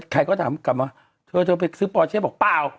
ใครก็ถามกลับมาเธอ้าเธอไปซื้อปอร์เจบ้าป้าว